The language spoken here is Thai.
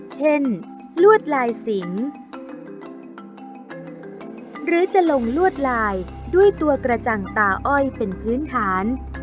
ลวดลายสิงหรือจะลงลวดลายด้วยตัวกระจังตาอ้อยเป็นพื้นฐาน